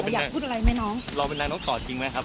อยากพูดอะไรไหมน้องเราเป็นนางน้องกอดจริงไหมครับ